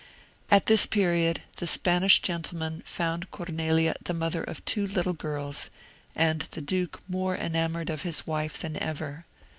At this period, the Spanish gentlemen found Cornelia the mother of two little girls, and the duke more enamoured of his wife than ever.